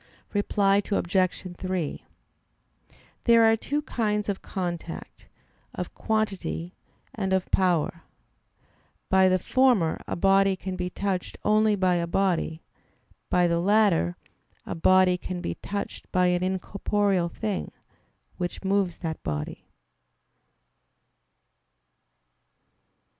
Reply Obj. 3: There are two kinds of contact; of "quantity," and of "power." By the former a body can be touched only by a body; by the latter a body can be touched by an incorporeal thing, which moves that body.